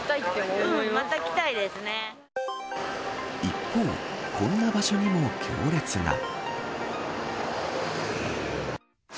一方、こんな場所にも行列が。